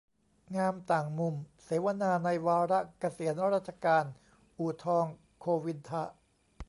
งามต่างมุม : เสวนาในวาระเกษียณราชการ อู่ทอง โฆวินทะ